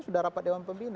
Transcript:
sudah rapat dewan pembina